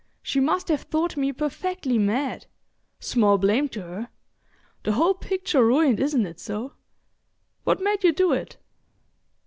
She must have thought me perfectly mad—small blame to her! The whole picture ruined, isn't it so? What made you do it?"